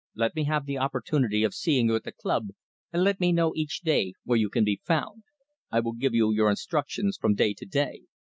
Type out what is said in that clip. Let me have the opportunity of seeing you at the club, and let me know each day where you can be found. I will give you your instructions from day to day.